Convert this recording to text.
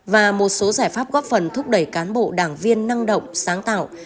và một số giải pháp góp phần thúc đẩy cán bộ đảng viên năng động sáng tạo